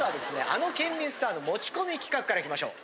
あのケンミンスターの持ち込み企画からいきましょう。